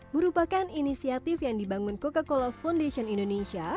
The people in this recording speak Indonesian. merupakan inisiatif yang dibangun coca cola foundation indonesia